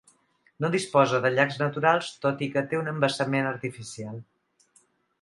No disposa de llacs naturals tot i que té un embassament artificial.